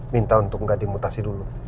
minta untuk nggak dimutasi dulu